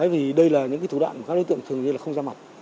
vì đây là những thủ đoạn mà các đối tượng thường như là không ra mặt